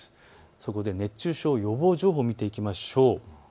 そこで熱中症予防情報を見ていきましょう。